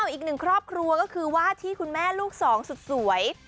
อีกหนึ่งครอบครัวก็คือว่าที่คุณแม่ลูกสองสุดสวย